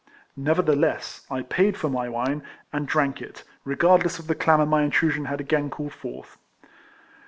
Nevertheless, I paid for my wine, and drank it, regardless of the clamour my in trusion had again called forth.